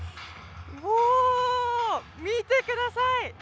おお、見てください！